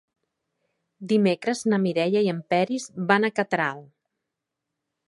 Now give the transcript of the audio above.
Dimecres na Mireia i en Peris van a Catral.